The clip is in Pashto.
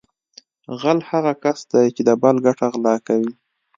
غل هغه کس دی چې د بل ګټه غلا کوي